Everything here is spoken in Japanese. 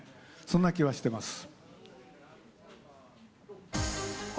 そんな気はしてます。